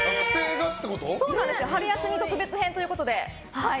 春休み特別編ということで。